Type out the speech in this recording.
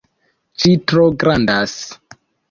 Ĝi tro grandas.